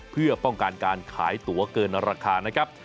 เพื่อป้องกันการขายตัวเกินราคา